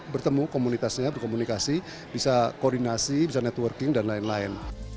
bertemu komunitasnya berkomunikasi bisa koordinasi bisa networking dan lain lain